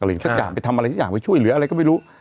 สักอย่างไปทำอะไรสักอย่างไปช่วยเหลืออะไรก็ไม่รู้